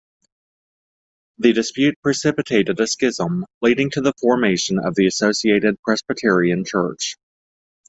The dispute precipitated a schism, leading to the formation of the Associated Presbyterian Church.